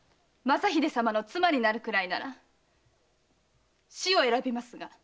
正秀様の妻になるくらいなら死を選びますが。